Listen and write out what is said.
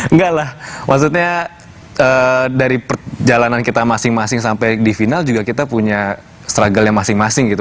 enggak lah maksudnya dari perjalanan kita masing masing sampai di final juga kita punya struggle nya masing masing gitu